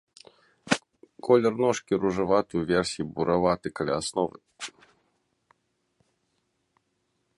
Колер ножкі ружаваты ўверсе і бураваты каля асновы.